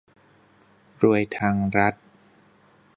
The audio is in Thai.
รวยทางรัฐ